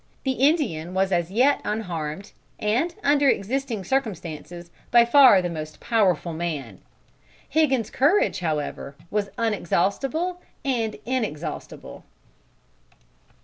The Indian was as yet unharmed, and, under existing circumstances, by far the most powerful man. Higgins' courage, however, was unexhausted and inexhaustible.